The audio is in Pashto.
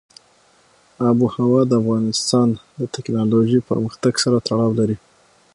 آب وهوا د افغانستان د تکنالوژۍ پرمختګ سره تړاو لري.